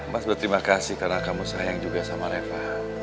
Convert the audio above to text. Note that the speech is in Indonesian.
mas berterima kasih karena kamu sayang juga sama reva